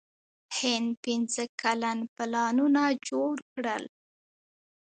هند پنځه کلن پلانونه جوړ کړل.